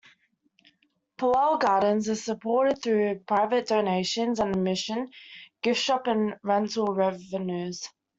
Powell Gardens is supported through private donations and admission, gift shop and rental revenues.